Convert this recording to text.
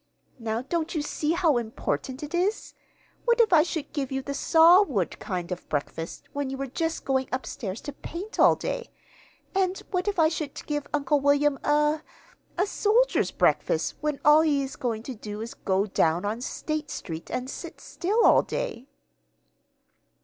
Now don't you see how important it is? What if I should give you the saw wood kind of a breakfast when you were just going up stairs to paint all day? And what if I should give Uncle William a a soldier's breakfast when all he is going to do is to go down on State Street and sit still all day?"